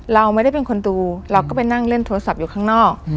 เราไม่ได้เป็นคนดูเราก็ไปนั่งเล่นโทรศัพท์อยู่ข้างนอก